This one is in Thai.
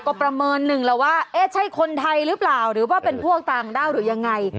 ก็ประเมินหนึ่งแล้วว่าเอ๊ะใช่คนไทยหรือเปล่าหรือว่าเป็นพวกต่างด้าวหรือยังไง